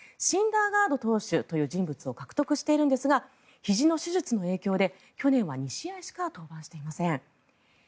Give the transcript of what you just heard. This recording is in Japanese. シンダーガード選手という選手を獲得しているんですがひじの手術の影響で去年は２試合しか登板していません。